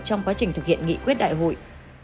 trong quá trình thực hiện nghị quyết đại hội